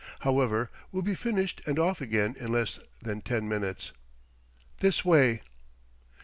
However, we'll be finished and off again in less than ten minutes. This way."